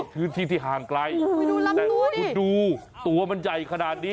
ตรงที่ที่ห่างไกลดูตัวมันใหญ่ขนาดนี้